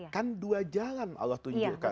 kan dua jalan allah tunjukkan